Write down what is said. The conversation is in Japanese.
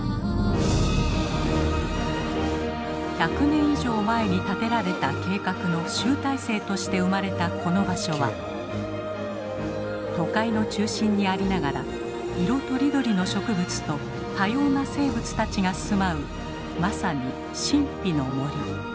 １００年以上前に立てられた計画の集大成として生まれたこの場所は都会の中心にありながら色とりどりの植物と多様な生物たちが住まうまさに神秘の森。